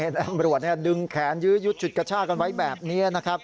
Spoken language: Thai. ตำรวจดึงแขนยืดชุดกระช่ากันไว้แบบนี้